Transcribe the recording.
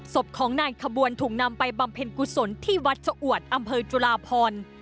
ศพของนายขบวนถูกนำไปบำเพ็ญกุศลที่วัดชะอวดอำเภอจุลาพร